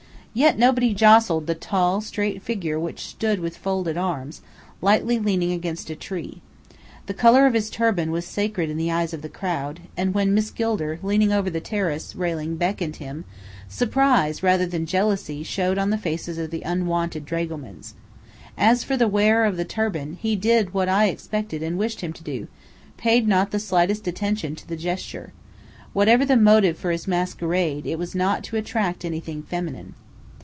Yet nobody jostled the tall, straight figure which stood with folded arms, lightly leaning against a tree. The colour of his turban was sacred in the eyes of the crowd; and when Miss Gilder, leaning over the terrace railing beckoned him, surprise rather than jealousy showed on the faces of the unwanted dragomans. As for the wearer of the turban, he did what I expected and wished him to do: paid not the slightest attention to the gesture. Whatever the motive for his masquerade, it was not to attract anything feminine.